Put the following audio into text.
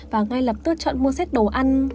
và ngay lập tức chọn mua set đồ ăn